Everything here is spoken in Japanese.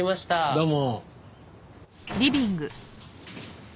どうも。